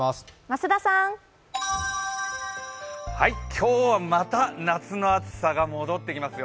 今日はまた夏の暑さが戻ってきますよ。